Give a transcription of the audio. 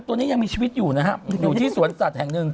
ตัวนี้ยังมีชีวิตอยู่นะฮะอยู่ที่สวนสัตว์แห่งหนึ่ง